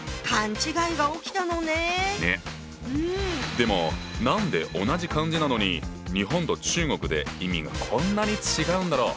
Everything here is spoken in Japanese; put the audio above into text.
でも何で同じ漢字なのに日本と中国で意味がこんなに違うんだろう？